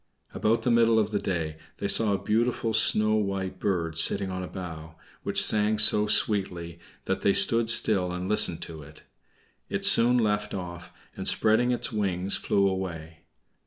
About the middle of the day they saw a beautiful snow white bird sitting on a bough, which sang so sweetly that they stood still and listened to it. It soon left off and, spreading its wings, flew away.